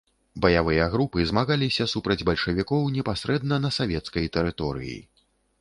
Баявыя групы змагаліся супраць бальшавікоў непасрэдна на савецкай тэрыторыі.